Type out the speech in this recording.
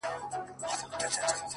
• اوس په خپله يو د بل په لاس قتلېږي ,